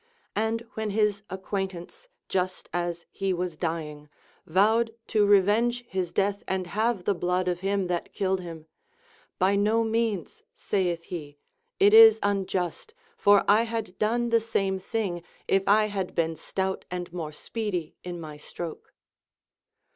x\nd when his acquaintance, just as he was dying, vowed to revenge his death and have the blood of him that killed him ; By no means, saith he, it is unjust, for I had done the same thing if I had been stout and more speedy in my stroke.